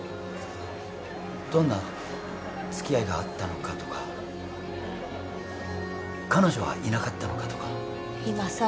どんなつきあいがあったのかとか彼女はいなかったのかとか・今更？